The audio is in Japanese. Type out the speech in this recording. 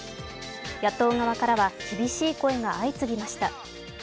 野党側からは厳しい声が相次ぎました。